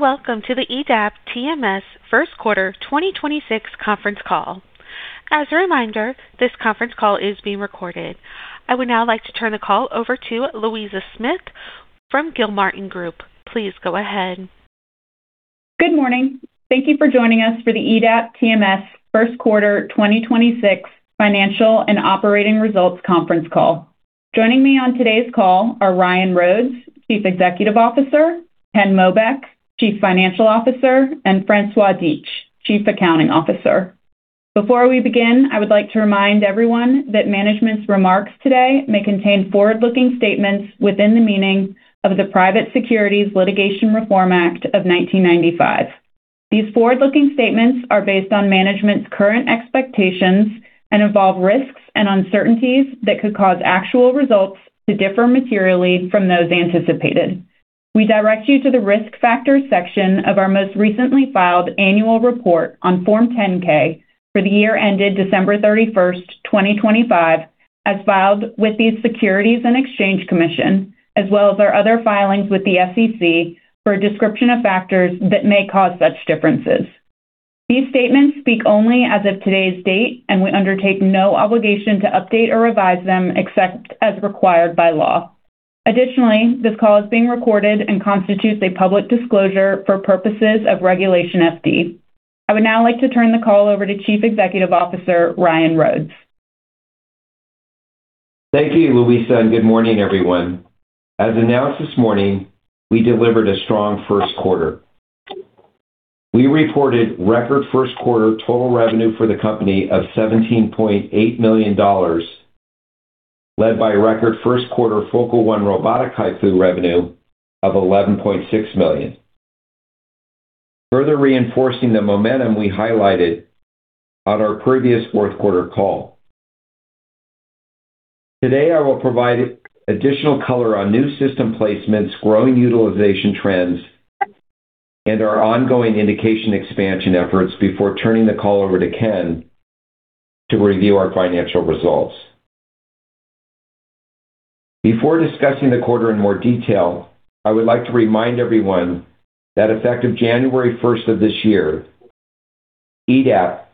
Welcome to the EDAP TMS First Quarter 2026 conference call. As a reminder, this conference call is being recorded. I would now like to turn the call over to Louisa Smith from Gilmartin Group. Please go ahead. Good morning. Thank you for joining us for the EDAP TMS First Quarter 2026 financial and operating results conference call. Joining me on today's call are Ryan Rhodes, Chief Executive Officer, Ken Mobeck, Chief Financial Officer, and François Dietsch, Chief Accounting Officer. Before we begin, I would like to remind everyone that management's remarks today may contain forward-looking statements within the meaning of the Private Securities Litigation Reform Act of 1995. These forward-looking statements are based on management's current expectations and involve risks and uncertainties that could cause actual results to differ materially from those anticipated. We direct you to the Risk Factors section of our most recently filed annual report on Form 10-K for the year ended December 31, 2025, as filed with the Securities and Exchange Commission, as well as our other filings with the SEC, for a description of factors that may cause such differences. These statements speak only as of today's date, and we undertake no obligation to update or revise them except as required by law. Additionally, this call is being recorded and constitutes a public disclosure for purposes of Regulation FD. I would now like to turn the call over to Chief Executive Officer, Ryan Rhodes. Thank you, Louisa, and good morning, everyone. As announced this morning, we delivered a strong first quarter. We reported record first quarter total revenue for the company of $17.8 million, led by record first quarter Focal One robotic HIFU revenue of $11.6 million, further reinforcing the momentum we highlighted on our previous fourth quarter call. Today, I will provide additional color on new system placements, growing utilization trends, and our ongoing indication expansion efforts before turning the call over to Ken to review our financial results. Before discussing the quarter in more detail, I would like to remind everyone that effective January first of this year, EDAP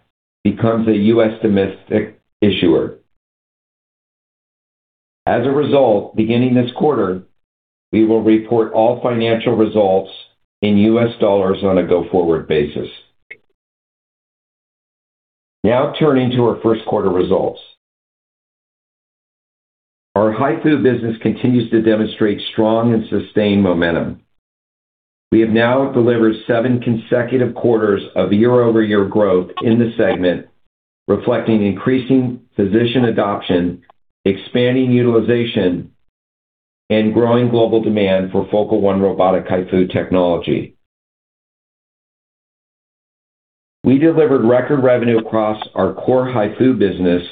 becomes a U.S. domestic issuer. As a result, beginning this quarter, we will report all financial results in U.S. dollars on a go-forward basis. Now, turning to our first quarter results. Our HIFU business continues to demonstrate strong and sustained momentum. We have now delivered seven consecutive quarters of year-over-year growth in the segment, reflecting increasing physician adoption, expanding utilization, and growing global demand for Focal One robotic HIFU technology. We delivered record revenue across our core HIFU business,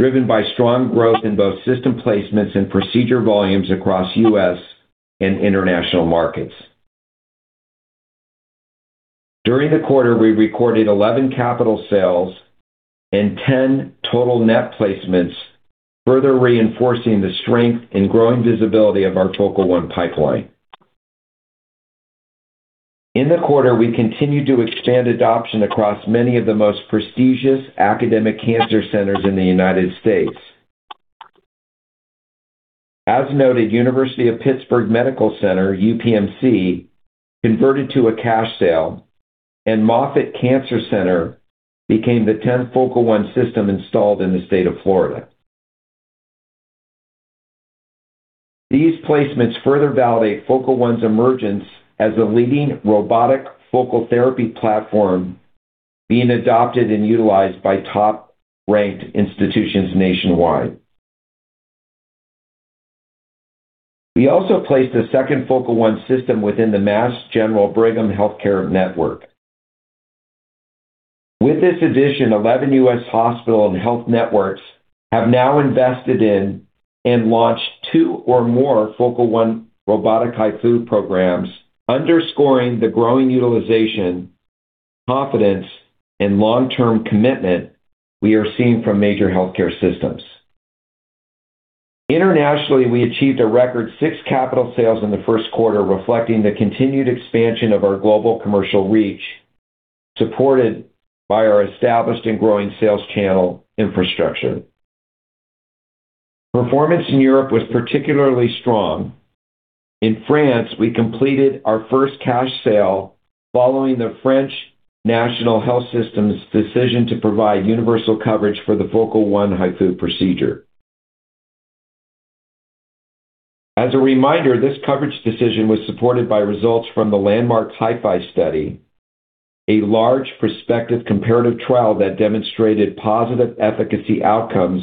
driven by strong growth in both system placements and procedure volumes across U.S. and international markets. During the quarter, we recorded 11 capital sales and 10 total net placements, further reinforcing the strength in growing visibility of our Focal One pipeline. In the quarter, we continued to expand adoption across many of the most prestigious academic cancer centers in the United States. As noted, University of Pittsburgh Medical Center, UPMC, converted to a cash sale, and Moffitt Cancer Center became the 10th Focal One system installed in the state of Florida. These placements further validate Focal One's emergence as a leading robotic focal therapy platform being adopted and utilized by top-ranked institutions nationwide. We also placed a second Focal One system within the Mass General Brigham healthcare network. With this addition, 11 U.S. hospital and health networks have now invested in and launched two or more Focal One robotic HIFU programs, underscoring the growing utilization, confidence, and long-term commitment we are seeing from major healthcare systems. Internationally, we achieved a record six capital sales in the first quarter, reflecting the continued expansion of our global commercial reach, supported by our established and growing sales channel infrastructure. Performance in Europe was particularly strong. In France, we completed our first cash sale following the French National Health Insurance's decision to provide universal coverage for the Focal One HIFU procedure. As a reminder, this coverage decision was supported by results from the landmark HIFI study, a large prospective comparative trial that demonstrated positive efficacy outcomes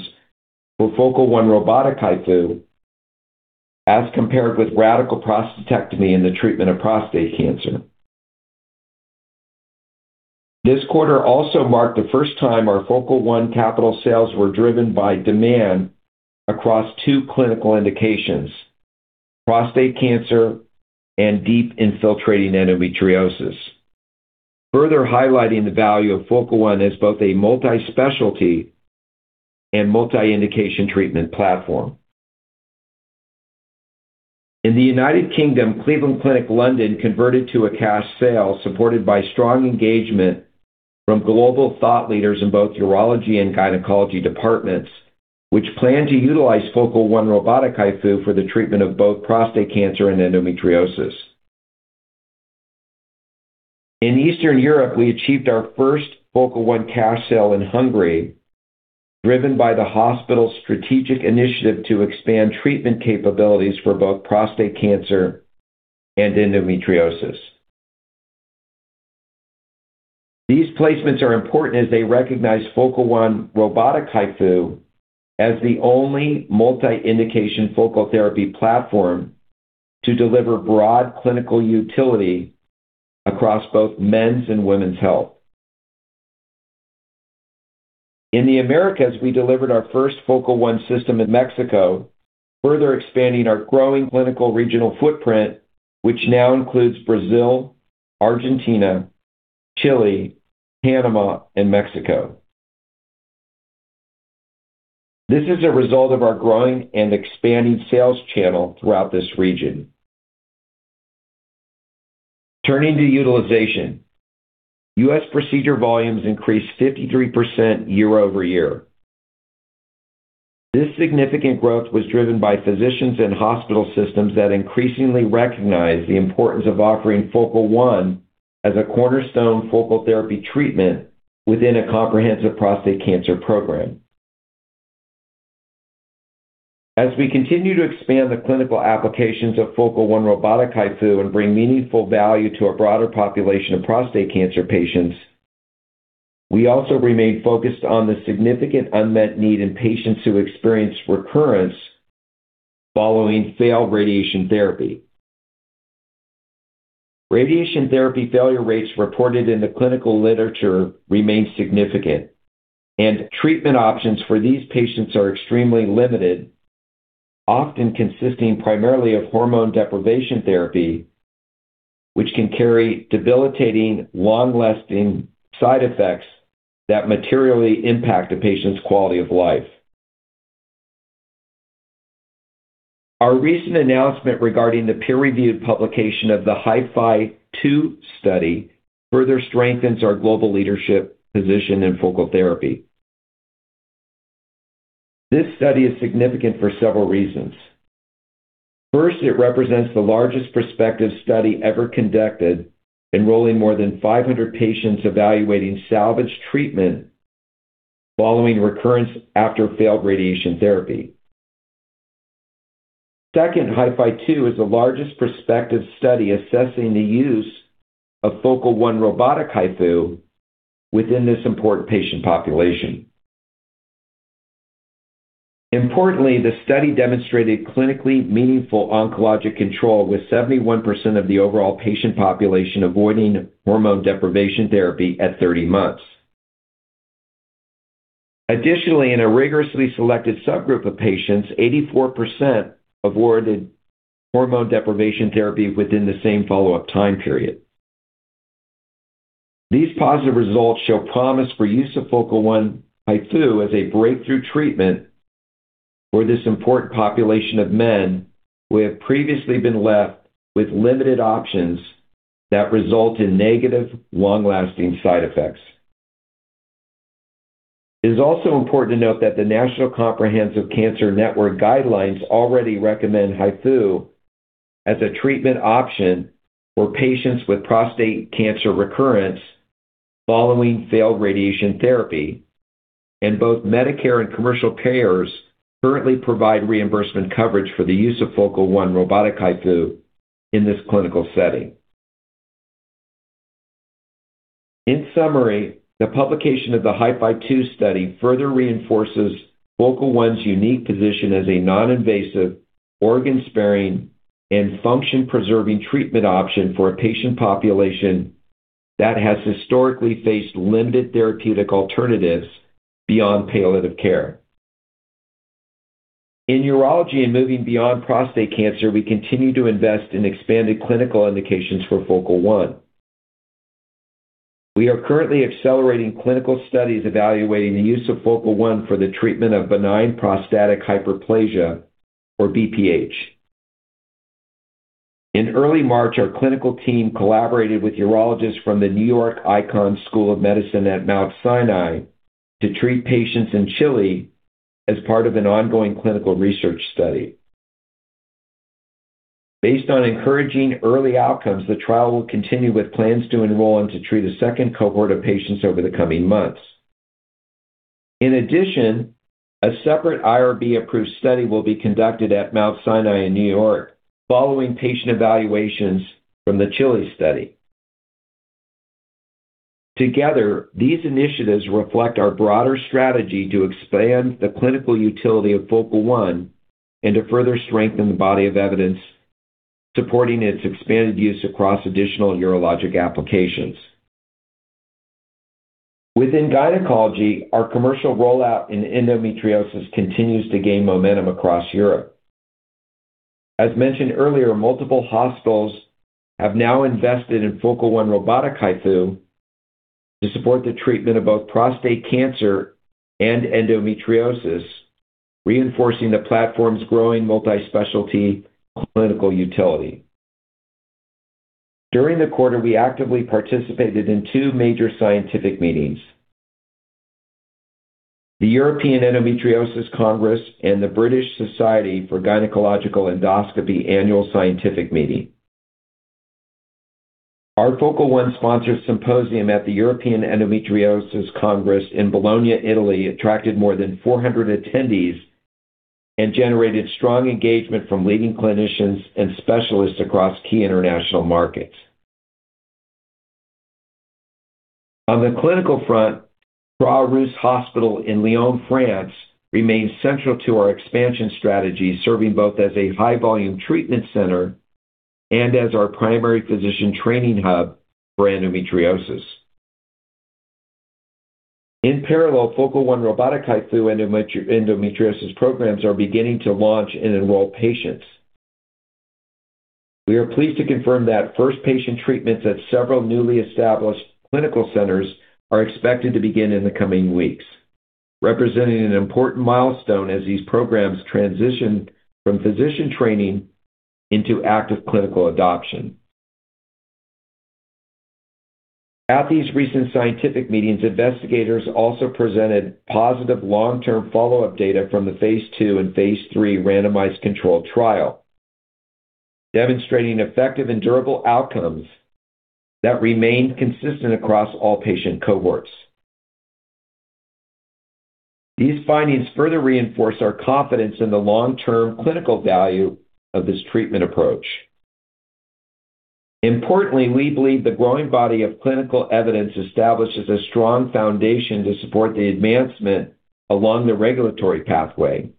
for Focal One robotic HIFU as compared with radical prostatectomy in the treatment of prostate cancer. This quarter also marked the first time our Focal One capital sales were driven by demand across two clinical indications: prostate cancer and deep infiltrating endometriosis. Further highlighting the value of Focal One as both a multi-specialty and multi-indication treatment platform. In the U.K., Cleveland Clinic London converted to a cash sale supported by strong engagement from global thought leaders in both urology and gynecology departments, which plan to utilize Focal One robotic HIFU for the treatment of both prostate cancer and endometriosis. In Eastern Europe, we achieved our first Focal One cash sale in Hungary, driven by the hospital's strategic initiative to expand treatment capabilities for both prostate cancer and endometriosis. These placements are important as they recognize Focal One robotic HIFU as the only multi-indication focal therapy platform to deliver broad clinical utility across both men's and women's health. In the Americas, we delivered our first Focal One system in Mexico, further expanding our growing clinical regional footprint, which now includes Brazil, Argentina, Chile, Panama, and Mexico. This is a result of our growing and expanding sales channel throughout this region. Turning to utilization, U.S. procedure volumes increased 53% year-over-year. This significant growth was driven by physicians and hospital systems that increasingly recognize the importance of offering Focal One as a cornerstone focal therapy treatment within a comprehensive prostate cancer program. As we continue to expand the clinical applications of Focal One robotic HIFU and bring meaningful value to a broader population of prostate cancer patients, we also remain focused on the significant unmet need in patients who experience recurrence following failed radiation therapy. Radiation therapy failure rates reported in the clinical literature remain significant, and treatment options for these patients are extremely limited, often consisting primarily of hormone deprivation therapy, which can carry debilitating, long-lasting side effects that materially impact a patient's quality of life. Our recent announcement regarding the peer-reviewed publication of the HIFI-2 study further strengthens our global leadership position in focal therapy. This study is significant for several reasons. First, it represents the largest prospective study ever conducted, enrolling more than 500 patients evaluating salvage treatment following recurrence after failed radiation therapy. HIFI-2 is the largest prospective study assessing the use of Focal One robotic HIFU within this important patient population. Importantly, the study demonstrated clinically meaningful oncologic control with 71% of the overall patient population avoiding hormone deprivation therapy at 30 months. Additionally, in a rigorously selected subgroup of patients, 84% avoided hormone deprivation therapy within the same follow-up time period. These positive results show promise for use of Focal One HIFU as a breakthrough treatment for this important population of men who have previously been left with limited options that result in negative, long-lasting side effects. It is also important to note that the National Comprehensive Cancer Network guidelines already recommend HIFU as a treatment option for patients with prostate cancer recurrence following failed radiation therapy, and both Medicare and commercial payers currently provide reimbursement coverage for the use of Focal One robotic HIFU in this clinical setting. In summary, the publication of the HIFI-2 study further reinforces Focal One's unique position as a non-invasive, organ-sparing, and function-preserving treatment option for a patient population that has historically faced limited therapeutic alternatives beyond palliative care. In urology and moving beyond prostate cancer, we continue to invest in expanded clinical indications for Focal One. We are currently accelerating clinical studies evaluating the use of Focal One for the treatment of benign prostatic hyperplasia, or BPH. In early March, our clinical team collaborated with urologists from the Icahn School of Medicine at Mount Sinai to treat patients in Chile as part of an ongoing clinical research study. Based on encouraging early outcomes, the trial will continue with plans to enroll and to treat a second cohort of patients over the coming months. In addition, a separate IRB-approved study will be conducted at Mount Sinai in New York following patient evaluations from the Chile study. Together, these initiatives reflect our broader strategy to expand the clinical utility of Focal One and to further strengthen the body of evidence supporting its expanded use across additional urologic applications. Within gynecology, our commercial rollout in endometriosis continues to gain momentum across Europe. As mentioned earlier, multiple hospitals have now invested in Focal One robotic HIFU to support the treatment of both prostate cancer and endometriosis, reinforcing the platform's growing multi-specialty clinical utility. During the quarter, we actively participated in two major scientific meetings: the European Endometriosis Congress and the British Society for Gynaecological Endoscopy annual scientific meeting. Our Focal One sponsor symposium at the European Endometriosis Congress in Bologna, Italy, attracted more than 400 attendees and generated strong engagement from leading clinicians and specialists across key international markets. On the clinical front, Hôpital Edouard Herriot in Lyon, France remains central to our expansion strategy, serving both as a high-volume treatment center and as our primary physician training hub for endometriosis. In parallel, Focal One robotic HIFU endometriosis programs are beginning to launch and enroll patients. We are pleased to confirm that first patient treatments at several newly established clinical centers are expected to begin in the coming weeks, representing an important milestone as these programs transition from physician training into active clinical adoption. At these recent scientific meetings, investigators also presented positive long-term follow-up data from the phase II and phase III randomized controlled trial, demonstrating effective and durable outcomes that remained consistent across all patient cohorts. These findings further reinforce our confidence in the long-term clinical value of this treatment approach. Importantly, we believe the growing body of clinical evidence establishes a strong foundation to support the advancement along the regulatory pathway.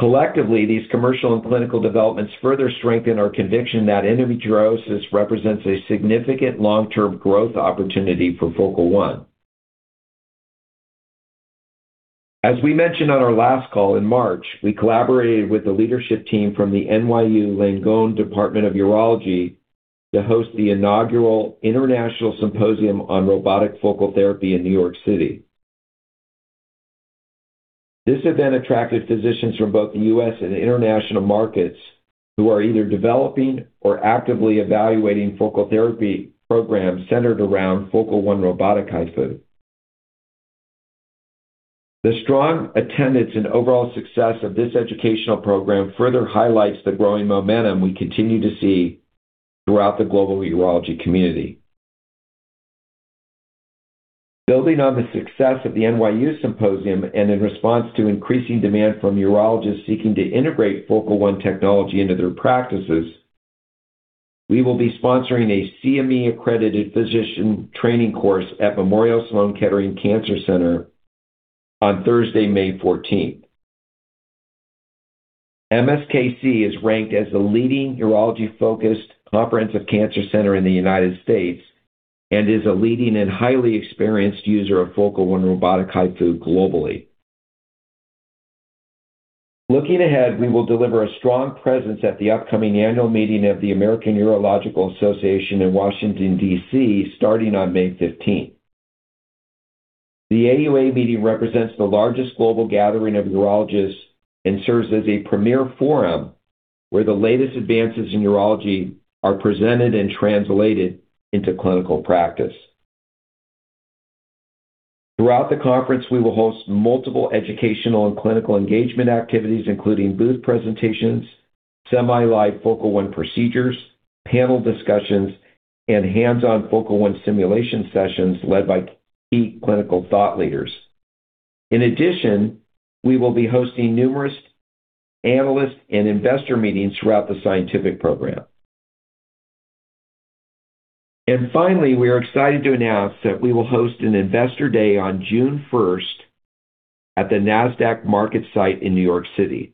Collectively, these commercial and clinical developments further strengthen our conviction that endometriosis represents a significant long-term growth opportunity for Focal One. As we mentioned on our last call in March, we collaborated with the leadership team from the NYU Langone Health Department of Urology to host the inaugural international symposium on robotic focal therapy in New York City. This event attracted physicians from both the U.S. and international markets who are either developing or actively evaluating focal therapy programs centered around Focal One robotic HIFU. The strong attendance and overall success of this educational program further highlights the growing momentum we continue to see throughout the global urology community. Building on the success of the NYU symposium and in response to increasing demand from urologists seeking to integrate Focal One technology into their practices, we will be sponsoring a CME-accredited physician training course at Memorial Sloan Kettering Cancer Center on Thursday, May 14th. MSKC is ranked as the leading urology-focused comprehensive cancer center in the United States and is a leading and highly experienced user of Focal One robotic HIFU globally. Looking ahead, we will deliver a strong presence at the upcoming annual meeting of the American Urological Association in Washington, D.C. starting on May 15th. The AUA meeting represents the largest global gathering of urologists and serves as a premier forum where the latest advances in urology are presented and translated into clinical practice. Throughout the conference, we will host multiple educational and clinical engagement activities, including booth presentations, semi-live Focal One procedures, panel discussions, and hands-on Focal One simulation sessions led by key clinical thought leaders. In addition, we will be hosting numerous analyst and investor meetings throughout the scientific program. Finally, we are excited to announce that we will host an investor day on June 1st at the Nasdaq market site in New York City.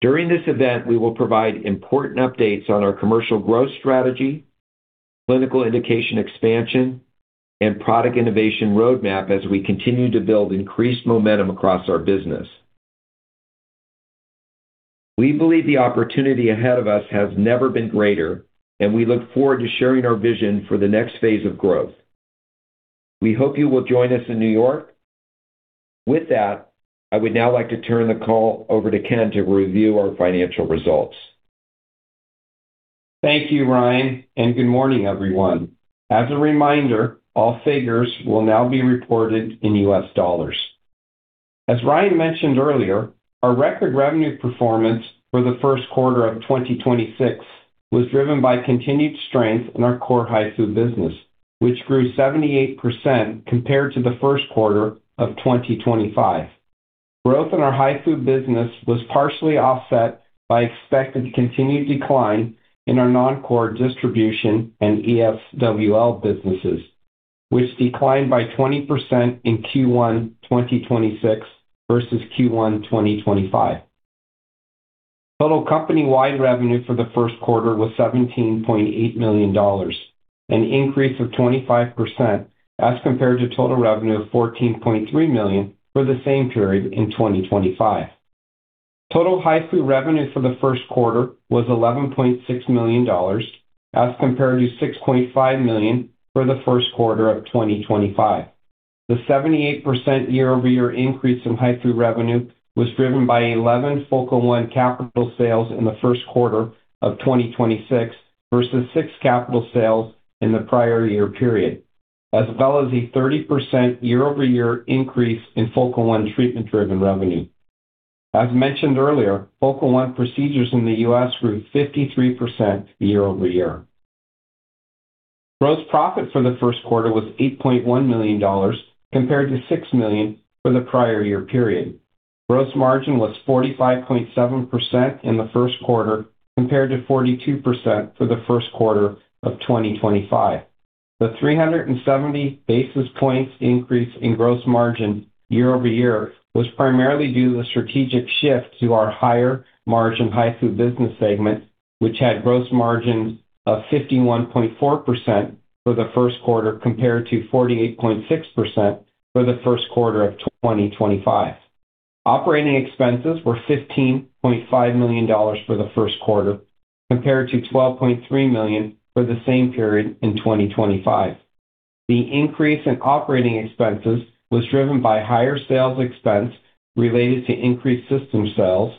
During this event, we will provide important updates on our commercial growth strategy, clinical indication expansion, and product innovation roadmap as we continue to build increased momentum across our business. We believe the opportunity ahead of us has never been greater, and we look forward to sharing our vision for the next phase of growth. We hope you will join us in New York. With that, I would now like to turn the call over to Ken to review our financial results. Thank you, Ryan. Good morning, everyone. As a reminder, all figures will now be reported in U.S. dollars. As Ryan mentioned earlier, our record revenue performance for the first quarter of 2026 was driven by continued strength in our core HIFU business, which grew 78% compared to the first quarter of 2025. Growth in our HIFU business was partially offset by expected continued decline in our non-core distribution and ESWL businesses, which declined by 20% in Q1 2026 versus Q1 2025. Total company-wide revenue for the first quarter was $17.8 million, an increase of 25% as compared to total revenue of $14.3 million for the same period in 2025. Total HIFU revenue for the first quarter was $11.6 million as compared to $6.5 million for the first quarter of 2025. The 78% year-over-year increase in HIFU revenue was driven by 11 Focal One capital sales in the first quarter of 2026 versus six capital sales in the prior year period, as well as a 30% year-over-year increase in Focal One treatment-driven revenue. As mentioned earlier, Focal One procedures in the U.S. grew 53% year-over-year. Gross profit for the first quarter was $8.1 million compared to $6 million for the prior year period. Gross margin was 45.7% in the first quarter compared to 42% for the first quarter of 2025. The 370 basis points increase in gross margin year-over-year was primarily due to the strategic shift to our higher margin HIFU business segment, which had gross margins of 51.4% for the first quarter compared to 48.6% for the first quarter of 2025. Operating expenses were $15.5 million for the first quarter compared to $12.3 million for the same period in 2025. The increase in operating expenses was driven by higher sales expense related to increased system sales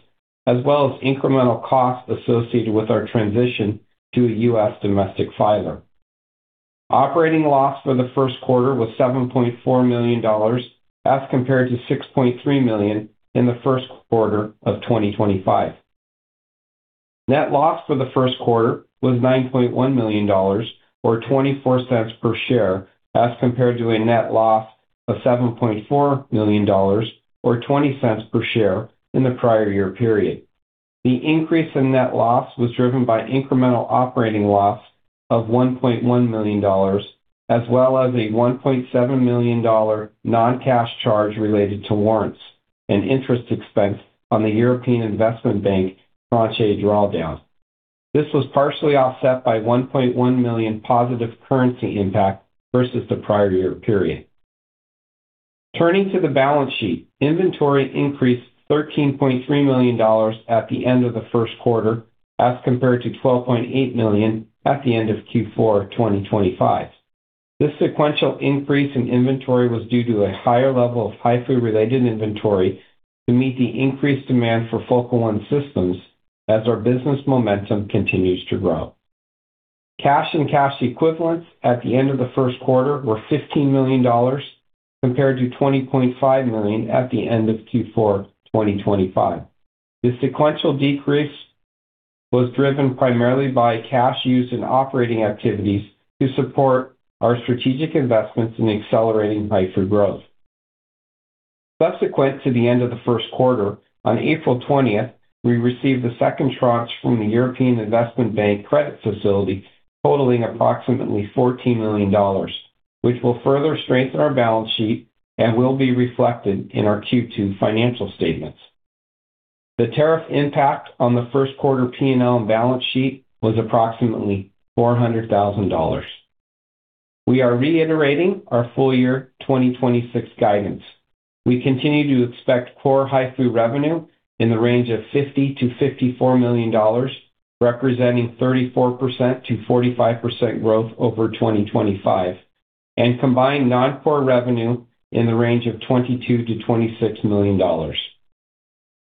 as well as incremental costs associated with our transition to a U.S. domestic filer. Operating loss for the first quarter was $7.4 million as compared to $6.3 million in the first quarter of 2025. Net loss for the first quarter was $9.1 million or $0.24 per share as compared to a net loss of $7.4 million or $0.20 per share in the prior year period. The increase in net loss was driven by incremental operating loss of $1.1 million as well as a $1.7 million non-cash charge related to warrants and interest expense on the European Investment Bank tranche A drawdown. This was partially offset by $1.1 million positive currency impact versus the prior year period. Turning to the balance sheet, inventory increased $13.3 million at the end of the first quarter as compared to $12.8 million at the end of Q4 2025. This sequential increase in inventory was due to a higher level of HIFU-related inventory to meet the increased demand for Focal One systems as our business momentum continues to grow. Cash and cash equivalents at the end of the first quarter were $15 million compared to $20.5 million at the end of Q4 2025. This sequential decrease was driven primarily by cash used in operating activities to support our strategic investments in accelerating HIFU growth. Subsequent to the end of the first quarter, on April 20th, we received the second tranche from the European Investment Bank credit facility totaling approximately $14 million, which will further strengthen our balance sheet and will be reflected in our Q2 financial statements. The tariff impact on the first quarter P&L and balance sheet was approximately $400,000. We are reiterating our full year 2026 guidance. We continue to expect core HIFU revenue in the range of $50 million-$54 million, representing 34%-45% growth over 2025, and combined non-core revenue in the range of $22 million-$26 million.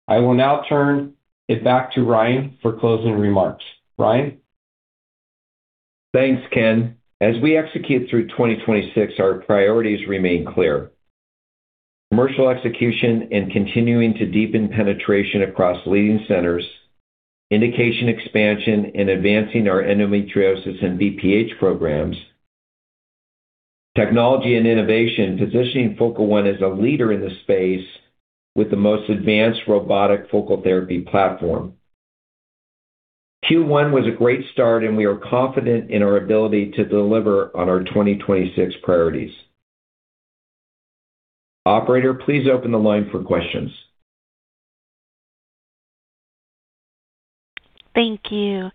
I will now turn it back to Ryan for closing remarks. Ryan? Thanks, Ken. As we execute through 2026, our priorities remain clear. Commercial execution and continuing to deepen penetration across leading centers, indication expansion and advancing our endometriosis and BPH programs. Technology and innovation, positioning Focal One as a leader in the space with the most advanced robotic focal therapy platform. Q1 was a great start. We are confident in our ability to deliver on our 2026 priorities. Operator, please open the line for questions. Thank you.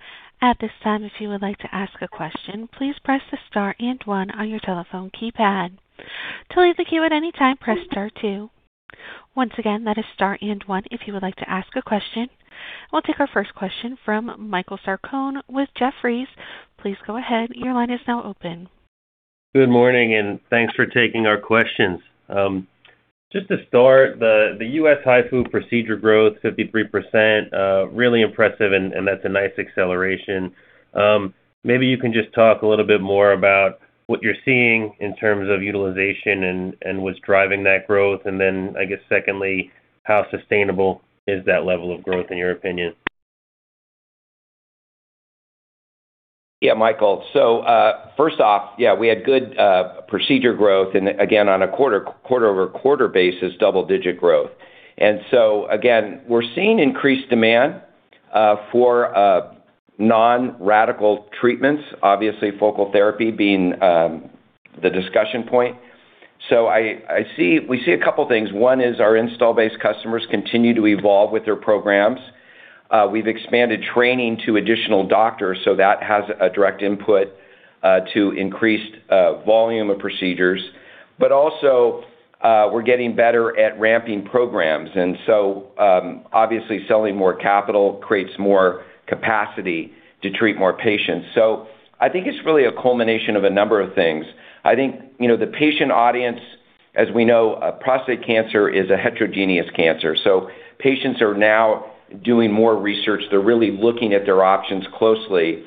At this time, if you would like to ask a question, please press the star and one on your telephone keypad. To leave the queue at any time, press star two. Once again, that is star and one if you would like to ask a question. We'll take our first question from Michael Sarcone with Jefferies. Please go ahead. Your line is now open. Good morning, thanks for taking our questions. Just to start, the U.S. HIFU procedure growth, 53%, really impressive and that's a nice acceleration. Maybe you can just talk a little bit more about what you're seeing in terms of utilization and what's driving that growth. I guess secondly, how sustainable is that level of growth in your opinion? Yeah, Michael. First off, yeah, we had good procedure growth and again, on a quarter-over-quarter basis, double-digit growth. Again, we're seeing increased demand for non-radical treatments, obviously focal therapy being the discussion point. We see a couple things. One is our install base customers continue to evolve with their programs. We've expanded training to additional doctors, so that has a direct input to increased volume of procedures. Also, we're getting better at ramping programs, obviously selling more capital creates more capacity to treat more patients. I think it's really a culmination of a number of things. I think, you know, the patient audience, as we know, prostate cancer is a heterogeneous cancer, so patients are now doing more research. They're really looking at their options closely.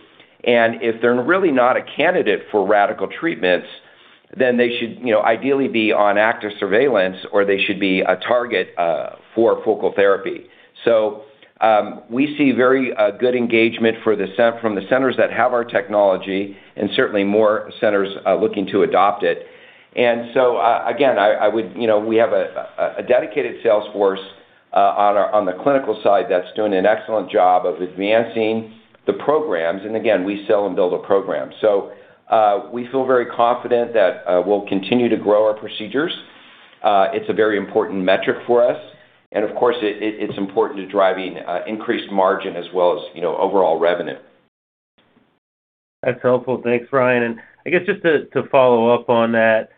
If they're really not a candidate for radical treatments, they should, you know, ideally be on active surveillance, or they should be a target for focal therapy. We see very good engagement from the centers that have our technology and certainly more centers looking to adopt it. Again, I would You know, we have a dedicated sales force on the clinical side that's doing an excellent job of advancing the programs. Again, we sell and build a program. We feel very confident that we'll continue to grow our procedures. It's a very important metric for us. Of course, it's important to driving increased margin as well as, you know, overall revenue. That's helpful. Thanks, Ryan. I guess just to follow up on that,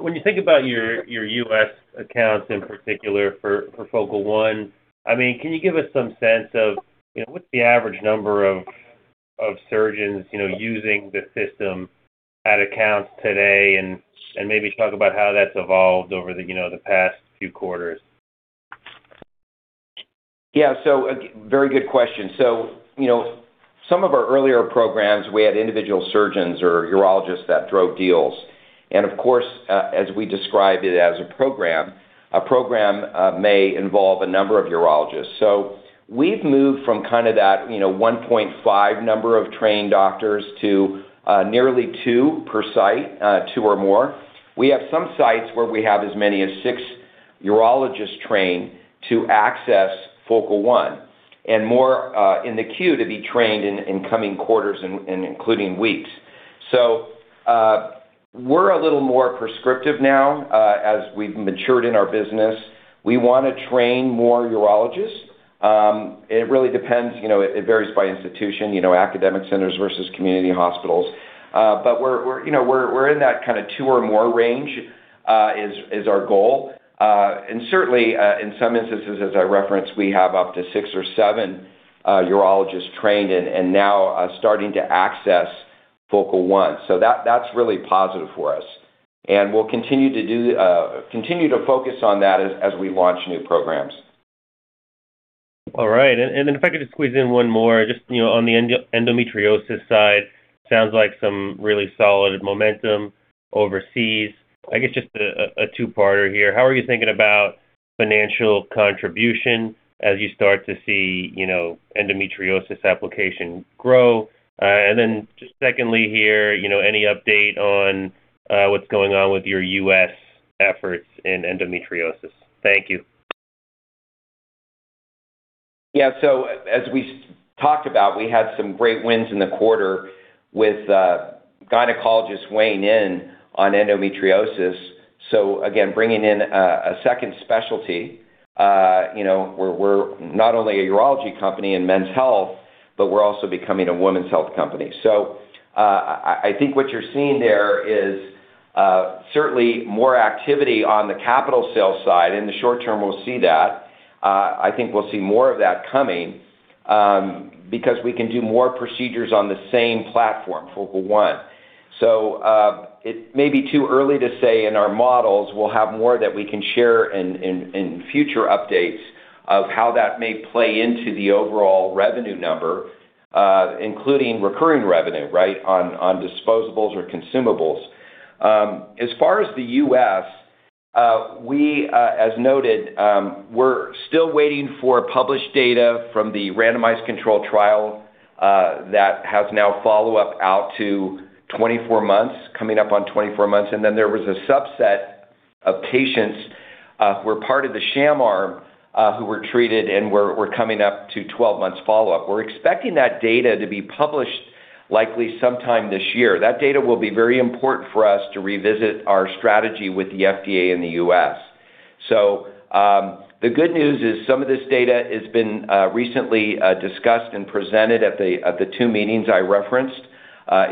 when you think about your U.S. accounts in particular for Focal One, I mean, can you give us some sense of, you know, what's the average number of surgeons, you know, using the system at accounts today? Maybe talk about how that's evolved over the, you know, the past few quarters. Yeah. A very good question. You know, some of our earlier programs, we had individual surgeons or urologists that drove deals. Of course, as we described it as a program, a program may involve a number of urologists. We've moved from kind of that, you know, 1.5 number of trained doctors to nearly two per site, two or more. We have some sites where we have as many as six urologists trained to access Focal One and more in the queue to be trained in coming quarters and including weeks. We're a little more prescriptive now as we've matured in our business. We wanna train more urologists. It really depends, you know, it varies by institution, you know, academic centers versus community hospitals. We're, you know, we're in that kinda 2% or more range, is our goal. Certainly, in some instances, as I referenced, we have up to 6% or 7% urologists trained and now starting to access Focal One. That's really positive for us. We'll continue to focus on that as we launch new programs. All right. And if I could just squeeze in one more, just, you know, on the endometriosis side. Sounds like some really solid momentum overseas. I guess just a two-parter here. How are you thinking about financial contribution as you start to see, you know, endometriosis application grow? Secondly here, you know, any update on what's going on with your U.S. efforts in endometriosis? Thank you. As we talked about, we had some great wins in the quarter with gynecologists weighing in on endometriosis. Again, bringing in a second specialty, you know, we're not only a urology company in men's health, but we're also becoming a women's health company. I think what you're seeing there is certainly more activity on the capital sales side. In the short term, we'll see that. I think we'll see more of that coming because we can do more procedures on the same platform, Focal One. It may be too early to say in our models. We'll have more that we can share in future updates of how that may play into the overall revenue number, including recurring revenue, right? On disposables or consumables. As far as the U.S., we, as noted, we're still waiting for published data from the randomized control trial that has now follow-up out to 24 months, coming up on 24 months. There was a subset of patients who are part of the sham arm who were treated and were coming up to 12 months follow-up. We're expecting that data to be published likely sometime this year. That data will be very important for us to revisit our strategy with the FDA in the U.S. The good news is some of this data has been recently discussed and presented at the two meetings I referenced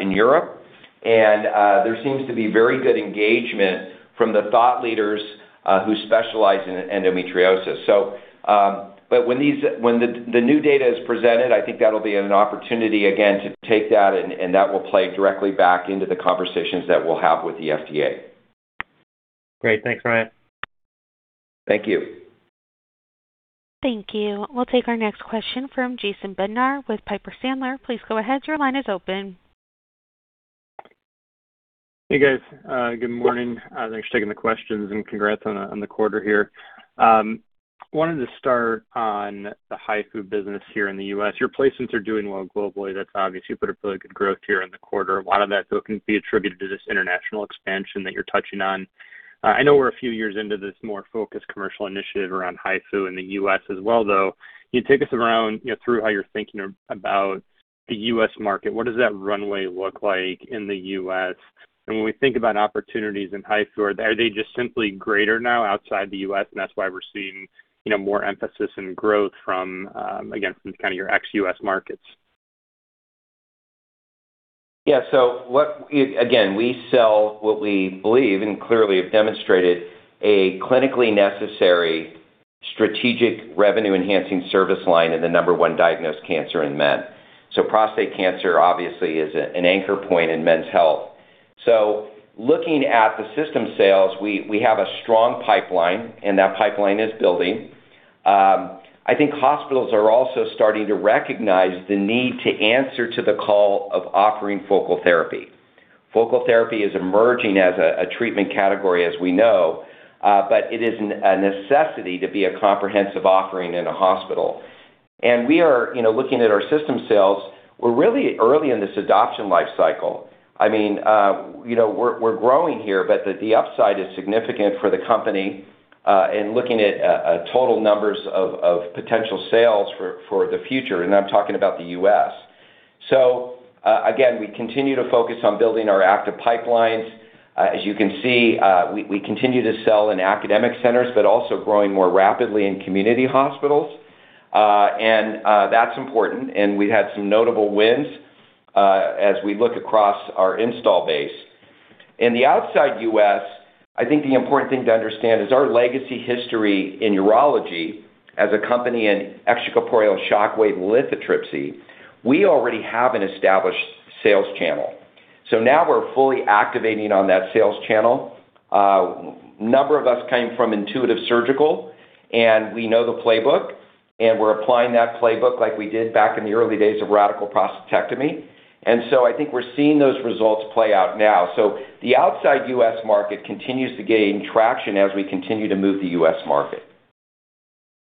in Europe. There seems to be very good engagement from the thought leaders who specialize in endometriosis. When the new data is presented, I think that'll be an opportunity again to take that, and that will play directly back into the conversations that we'll have with the FDA. Great. Thanks, Ryan. Thank you. Thank you. We'll take our next question from Jason Bednar with Piper Sandler. Please go ahead. Hey, guys. Good morning. Thanks for taking the questions, and congrats on the quarter here. Wanted to start on the HIFU business here in the U.S. Your placements are doing well globally. That's obvious. You put up really good growth here in the quarter. A lot of that, though, can be attributed to this international expansion that you're touching on. I know we're a few years into this more focused commercial initiative around HIFU in the U.S. as well, though. Can you take us around, you know, through how you're thinking about the U.S. market? What does that runway look like in the U.S.? When we think about opportunities in HIFU, are they just simply greater now outside the U.S. and that's why we're seeing, you know, more emphasis in growth from, again, from kind of your ex-U.S. markets? Again, we sell what we believe, and clearly have demonstrated, a clinically necessary strategic revenue-enhancing service line in the number one diagnosed cancer in men. Prostate cancer obviously is an anchor point in men's health. Looking at the system sales, we have a strong pipeline, and that pipeline is building. I think hospitals are also starting to recognize the need to answer to the call of offering focal therapy. Focal therapy is emerging as a treatment category as we know, but it is a necessity to be a comprehensive offering in a hospital. We are, you know, looking at our system sales, we're really early in this adoption life cycle. I mean, we're growing here, but the upside is significant for the company in looking at total numbers of potential sales for the future, and I'm talking about the U.S. Again, we continue to focus on building our active pipelines. As you can see, we continue to sell in academic centers, but also growing more rapidly in community hospitals. That's important, and we had some notable wins as we look across our install base. In the outside U.S., I think the important thing to understand is our legacy history in urology as a company in Extracorporeal Shock Wave Lithotripsy, we already have an established sales channel. Now we're fully activating on that sales channel. A number of us came from Intuitive Surgical, and we know the playbook, and we're applying that playbook like we did back in the early days of radical prostatectomy. I think we're seeing those results play out now. The outside U.S. market continues to gain traction as we continue to move the U.S. market.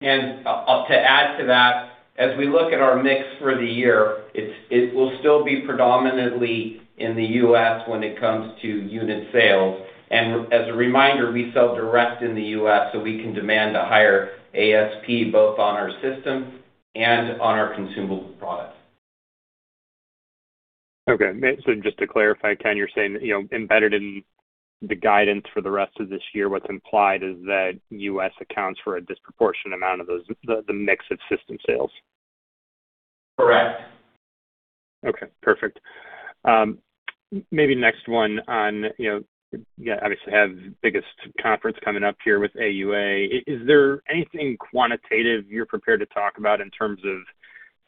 To add to that, as we look at our mix for the year, it will still be predominantly in the U.S. when it comes to unit sales. As a reminder, we sell direct in the U.S., so we can demand a higher ASP both on our system and on our consumable products. Okay. Just to clarify, Ken, you're saying that, you know, embedded in the guidance for the rest of this year, what's implied is that U.S. accounts for a disproportionate amount of the mix of system sales? Correct. Okay, perfect. Maybe next one on, you know, you obviously have the biggest conference coming up here with AUA. Is there anything quantitative you're prepared to talk about in terms of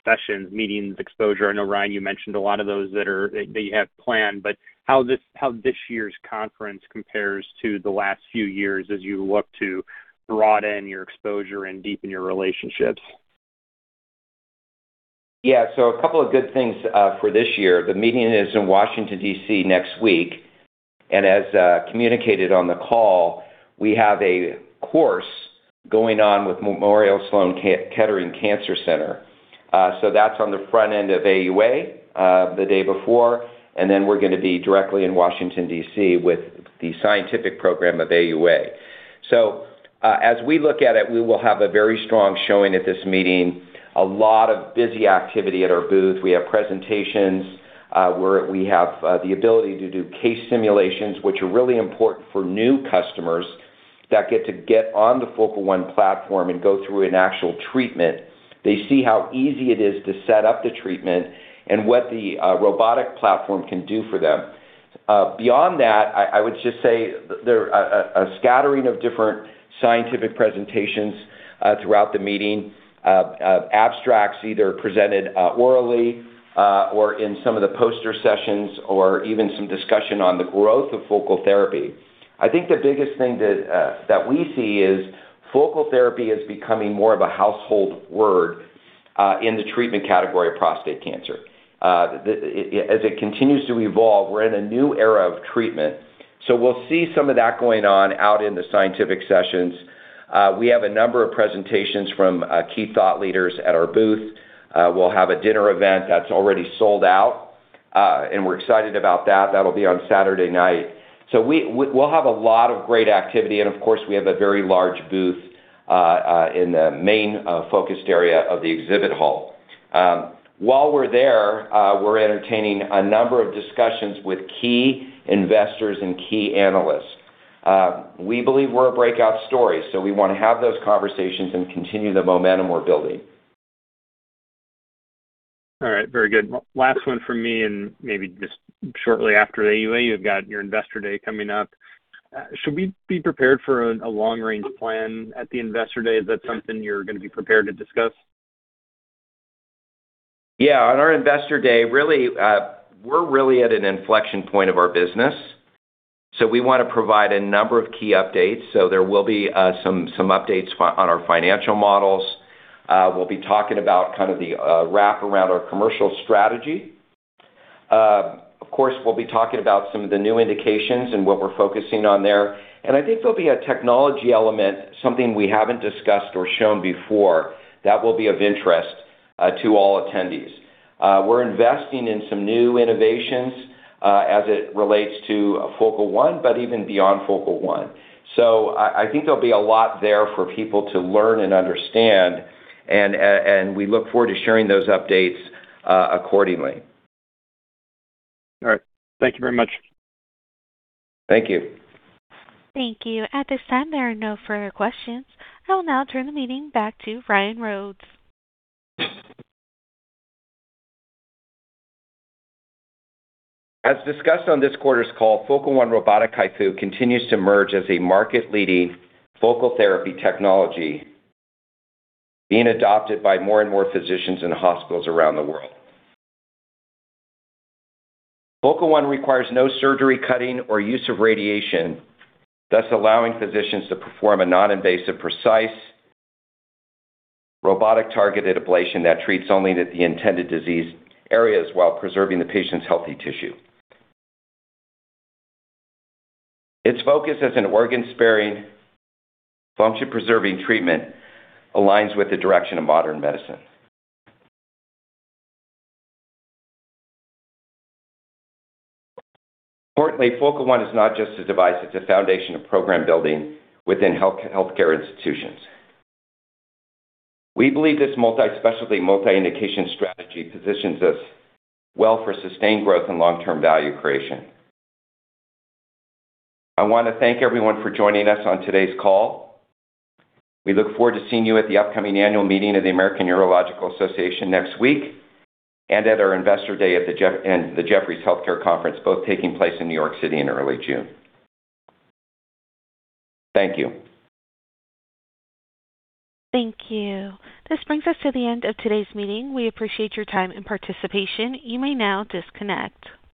sessions, meetings, exposure? I know, Ryan, you mentioned a lot of those that you have planned, but how this year's conference compares to the last few years as you look to broaden your exposure and deepen your relationships? Yeah. A couple of good things for this year. The meeting is in Washington, D.C. next week, and as communicated on the call, we have a course going on with Memorial Sloan Kettering Cancer Center. That's on the front end of AUA the day before, and then we're gonna be directly in Washington, D.C. with the scientific program of AUA. As we look at it, we will have a very strong showing at this meeting, a lot of busy activity at our booth. We have presentations, we have the ability to do case simulations, which are really important for new customers that get to get on the Focal One platform and go through an actual treatment. They see how easy it is to set up the treatment and what the robotic platform can do for them. Beyond that, I would just say there are a scattering of different scientific presentations throughout the meeting, abstracts either presented orally or in some of the poster sessions, or even some discussion on the growth of focal therapy. I think the biggest thing that we see is focal therapy is becoming more of a household word in the treatment category of prostate cancer. As it continues to evolve, we're in a new era of treatment. We'll see some of that going on out in the scientific sessions. We have a number of presentations from key thought leaders at our booth. We'll have a dinner event that's already sold out, and we're excited about that. That'll be on Saturday night. We'll have a lot of great activity, and of course, we have a very large booth in the main focused area of the exhibit hall. While we're there, we're entertaining a number of discussions with key investors and key analysts. We believe we're a breakout story, we want to have those conversations and continue the momentum we're building. All right, very good. Last one from me. Maybe just shortly after AUA, you've got your Investor Day coming up. Should we be prepared for a long-range plan at the Investor Day? Is that something you're gonna be prepared to discuss? At our Investor Day, really, we're really at an inflection point of our business. We want to provide a number of key updates. There will be some updates on our financial models. We'll be talking about kind of the wrap around our commercial strategy. Of course, we'll be talking about some of the new indications and what we're focusing on there. I think there'll be a technology element, something we haven't discussed or shown before, that will be of interest to all attendees. We're investing in some new innovations as it relates to Focal One, but even beyond Focal One. I think there'll be a lot there for people to learn and understand and we look forward to sharing those updates accordingly. All right. Thank you very much. Thank you. Thank you. At this time, there are no further questions. I will now turn the meeting back to Ryan Rhodes. As discussed on this quarter's call, Focal One robotic HIFU continues to emerge as a market-leading focal therapy technology being adopted by more and more physicians in hospitals around the world. Focal One requires no surgery, cutting or use of radiation, thus allowing physicians to perform a non-invasive, precise robotic targeted ablation that treats only the intended disease areas while preserving the patient's healthy tissue. Its focus as an organ-sparing, function-preserving treatment aligns with the direction of modern medicine. Importantly, Focal One is not just a device, it's a foundation of program building within healthcare institutions. We believe this multi-specialty, multi-indication strategy positions us well for sustained growth and long-term value creation. I wanna thank everyone for joining us on today's call. We look forward to seeing you at the upcoming annual meeting of the American Urological Association next week and at our Investor Day and the Jefferies Healthcare Conference, both taking place in New York City in early June. Thank you. Thank you. This brings us to the end of today's meeting. We appreciate your time and participation. You may now disconnect.